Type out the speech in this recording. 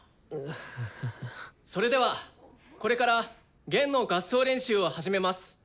それではこれから弦の合奏練習を始めます。